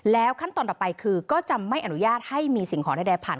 ขั้นตอนต่อไปคือก็จะไม่อนุญาตให้มีสิ่งของใดผ่าน